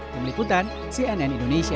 kemeliputan cnn indonesia